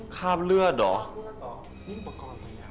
คาบเลือดเหรอ